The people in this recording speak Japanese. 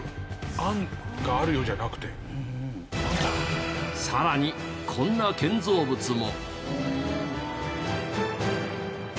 「“案があるよ”じゃなくて」さらにこんな建造物も。